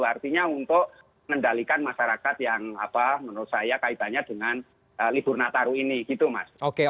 artinya untuk mengendalikan masyarakat yang menurut saya kaitannya dengan libur nataru ini gitu mas